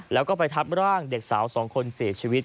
แล้วก็ไปทับร่างเด็กสาวสองคนเสียชีวิต